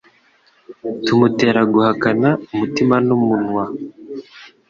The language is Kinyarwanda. tumutera guhakana umutima n'umunwa